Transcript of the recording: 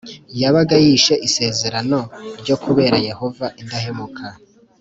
yabaga yishe isezerano ryo kubera Yehova indahemuka